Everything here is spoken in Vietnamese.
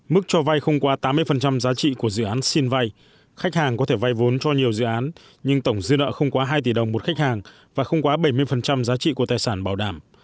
mức cho vay không quá tám mươi giá trị của dự án xin vay khách hàng có thể vay vốn cho nhiều dự án nhưng tổng dư nợ không quá hai tỷ đồng một khách hàng và không quá bảy mươi giá trị của tài sản bảo đảm